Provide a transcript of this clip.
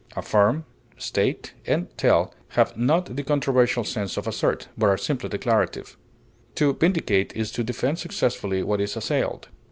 Affirm, state, and tell have not the controversial sense of assert, but are simply declarative. To vindicate is to defend successfully what is assailed.